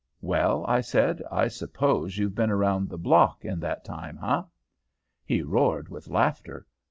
"'Well,' I said, 'I suppose you've been around the block in that time, eh?' "He roared with laughter.